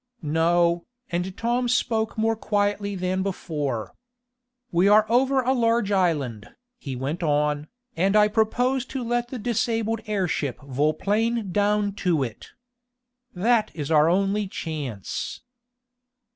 "No," and Tom spoke more quietly than before. "We are over a large island." he went on, "and I propose to let the disabled airship vol plane down to it. That is our only chance."